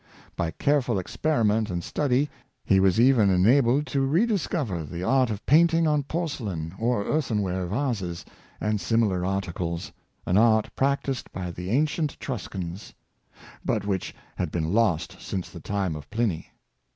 By care The Pottery Manufacture, 207 ful experiment and study he was even enabled to redis cover the art of painting on porcelain or earthenware vases and similar articles — an art practiced by the an cient Etruscans, but which had been lost since the time of Pliny.